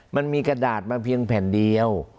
มันมีกระดาษมาเพียงแผ่นเดียว